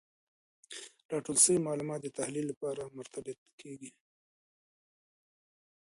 راټول سوي معلومات د تحلیل لپاره مرتب کیږي.